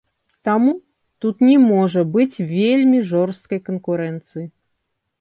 Таму, тут не можа быць вельмі жорсткай канкурэнцыі.